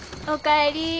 お帰り。